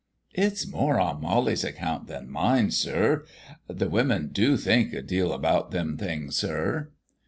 "It's more on Molly's account than mine, sir. The women do think a deal about them things, sir."